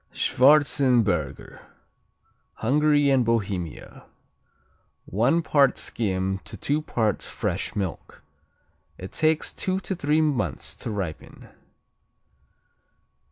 Schwarzenberger Hungary and Bohemia One part skim to two parts fresh milk. It takes two to three months to ripen.